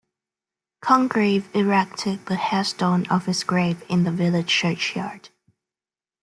Congreve erected the headstone on his grave in the village churchyard.